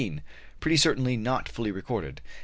(Pretty certainly not fully recorded.)